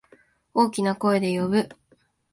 大きな声で呼ぶ。